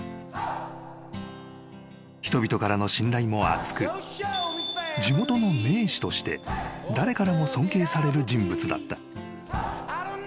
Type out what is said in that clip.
［人々からの信頼も厚く地元の名士として誰からも尊敬される人物だった］